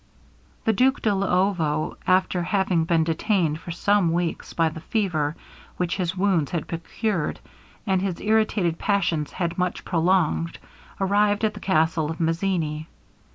The Duke de Luovo, after having been detained for some weeks by the fever which his wounds had produced, and his irritated passions had much prolonged, arrived at the castle of Mazzini.